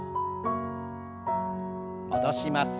戻します。